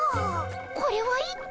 これは一体。